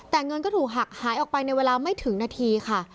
แต่เงินก็ถูกหักหายออกไปในเวลาไม่ถึงนาทีค่ะ